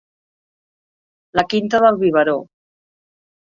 La quinta del biberó.